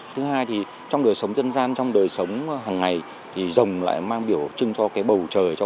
thứ hai trong đời sống dân gian trong đời sống hằng ngày rồng lại mang biểu trưng cho bầu trời